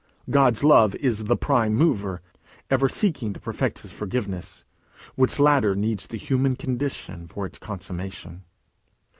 God's love is the prime mover, ever seeking to perfect his forgiveness, which latter needs the human condition for its consummation.